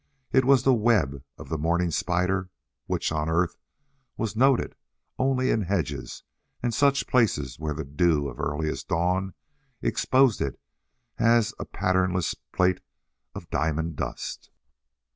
It was the web of the morning spider which, on Earth, was noted only in hedges and such places when the dew of earliest dawn exposed it as a patternless plate of diamond dust.